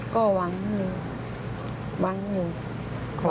ก็หวังอยู่